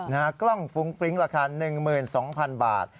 กล้องฟุ้งฟริ้งราคา๑๒๐๐๐บาท